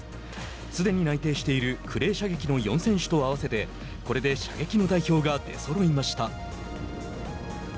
すでに内定しているクレー射撃の４選手と合わせてこれで射撃の代表が出そろいました。